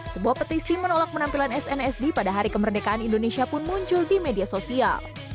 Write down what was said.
sebuah petisi menolak penampilan snsd pada hari kemerdekaan indonesia pun muncul di media sosial